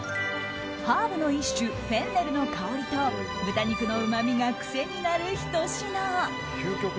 ハーブの一種フェンネルの香りと豚肉のうまみが癖になるひと品。